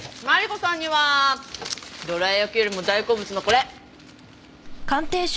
マリコさんにはどら焼きよりも大好物のこれ！